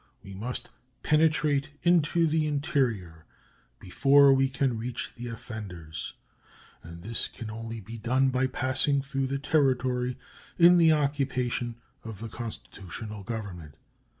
We must penetrate into the interior before we can reach the offenders, and this can only be done by passing through the territory in the occupation of the constitutional Government.